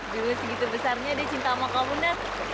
dulu segitu besarnya deh cinta sama kamu nath